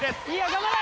頑張れ！